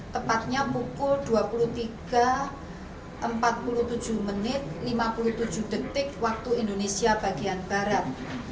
tepatnya pukul dua puluh tiga empat puluh tujuh menit lima puluh tujuh detik waktu indonesia bagian barat